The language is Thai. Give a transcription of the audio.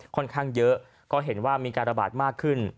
ค่อนข้างเยอะก็เห็นว่ามีการระบาดมากขึ้น